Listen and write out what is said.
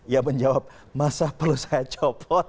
yang menjawab masa perlu saya copot